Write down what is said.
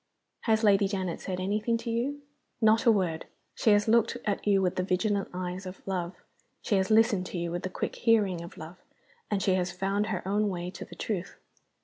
"Has Lady Janet said anything to you?" "Not a word. She has looked at you with the vigilant eyes of love; she has listened to you with the quick hearing of love and she has found her own way to the truth.